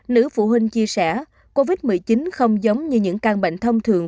nữ phụ huynh chia sẻ covid một mươi chín không giống như những căn bệnh thông thường